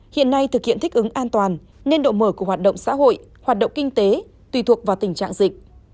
hiện nay thực hiện thích ứng an toàn nên độ mở của hoạt động xã hội hoạt động kinh tế tùy thuộc vào tình trạng dịch